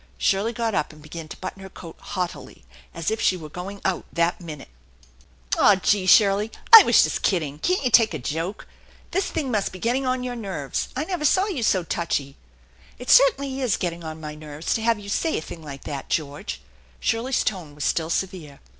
Shirley got up and began to button her coat haughtily, as if she were going out that minute. "Aw, gee, Shirley ! I was just kidding. Can't you take a THE ENCHANTED BARN 63 joke? This thing must be getting on your nerves. I nevei saw you so touchy." " It certainly is getting on my nerves to have you say a thing like that, George/' Shirley's tone was still severe.